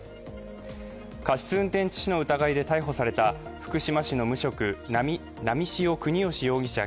過失運転致死の疑いで逮捕された福島市の無職波汐國芳容疑者